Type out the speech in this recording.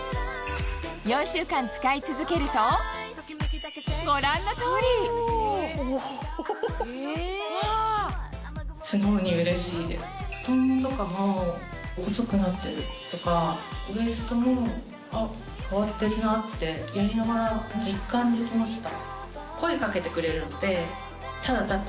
４週間使い続けるとご覧の通り太ももとかも細くなってる！とかウエストも変わってるなってやりながら実感できました。